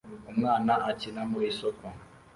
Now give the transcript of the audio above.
Umwana akina mu isoko